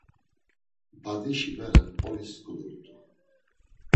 Badişi bere Mp̌olis sǩudurt̆u.